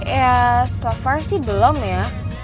ya so far sih belum ya